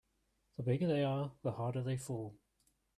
The bigger they are the harder they fall.